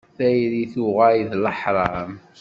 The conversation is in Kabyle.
Tayri tuɣal d leḥram.